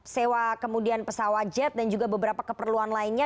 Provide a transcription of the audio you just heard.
sewa kemudian pesawat jet dan juga beberapa keperluan lainnya